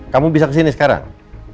kamu bisa kesini sekarang